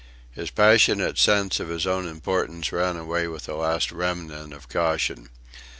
His passionate sense of his own importance ran away with a last remnant of caution.